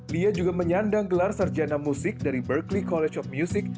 lya juga menyandang gelar serjana musik dari berklee college of music